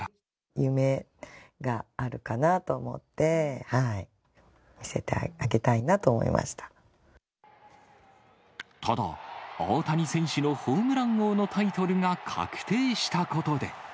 夢があるかなと思って、ただ、大谷選手のホームラン王のタイトルが確定したことで。